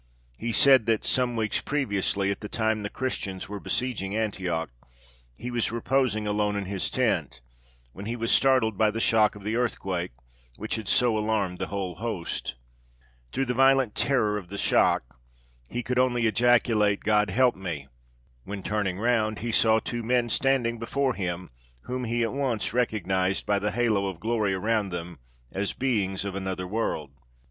He said that, some weeks previously, at the time the Christians were besieging Antioch, he was reposing alone in his tent, when he was startled by the shock of the earthquake, which had so alarmed the whole host. Through violent terror of the shock he could only ejaculate, God help me! when turning round he saw two men standing before him, whom he at once recognised by the halo of glory around them as beings of another world.